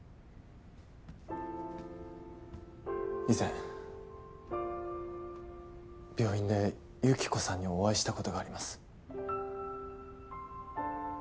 以前病院で幸子さんにお会いしたことがあります。